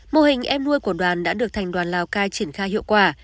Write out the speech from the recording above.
mô hình em nuôi của đoàn đã được thành đoàn lào cai triển khai hiệu quả